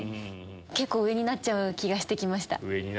結構上になっちゃう気がしてきました。